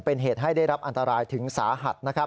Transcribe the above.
เป็นเหตุให้ได้รับอันตรายถึงสาหัสนะครับ